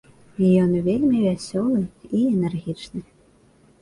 Ён вельмі вясёлы і энергічны.